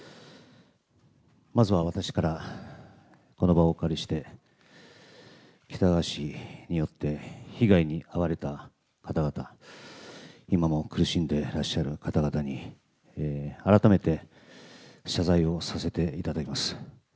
まずは私から、この場をお借りして、喜多川氏によって被害に遭われた方々、今も苦しんでらっしゃる方々に、改めて謝罪をさせていただきます。